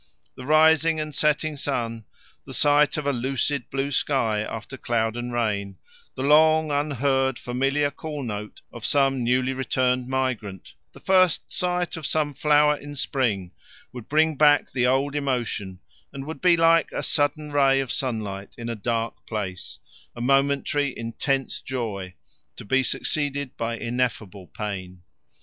The rising and setting sun, the sight of a lucid blue sky after cloud and rain, the long unheard familiar call note of some newly returned migrant, the first sight of some flower in spring, would bring back the old emotion and would be like a sudden ray of sunlight in a dark place a momentary intense joy, to be succeeded by ineffable pain.